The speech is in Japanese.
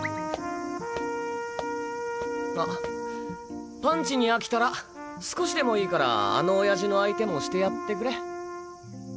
あパンチに飽きたら少しでもいいからあの親父の相手もしてやってくれ。